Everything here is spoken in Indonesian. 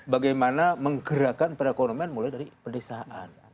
bagaimana menggerakkan perekonomian mulai dari pedesaan